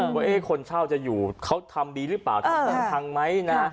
ว่าคนเช่าจะอยู่เขาทำดีหรือเปล่าทำพังไหมนะ